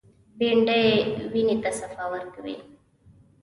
بېنډۍ وینې ته صفا ورکوي